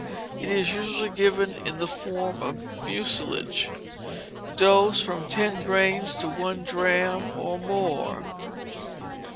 It is usually given in the form of mucilage. Dose, from ten grains to one drachm, or more.